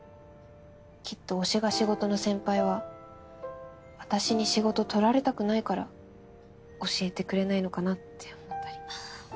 きっと推しが仕事の先輩は私に仕事取られたくないから教えてくれないのかなって思ったり。